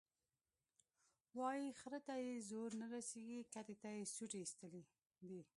وایي خره ته یې زور نه رسېږي، کتې ته یې سوټي ایستلي دي.